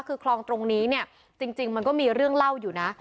คือคลองตรงนี้เนี่ยจริงมันก็มีเรื่องเล่าอยู่นะ